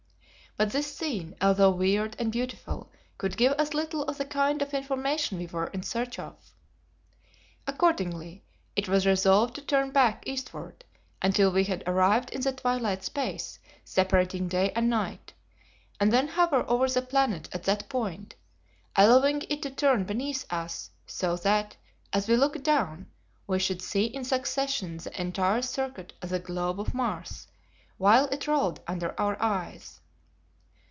But this scene, although weird and beautiful, could give us little of the kind of information we were in search of. Accordingly it was resolved to turn back eastward until we had arrived in the twilight space separating day and night, and then hover over the planet at that point, allowing it to turn beneath us so that, as we looked down, we should see in succession the entire circuit of the globe of Mars while it rolled under our eyes.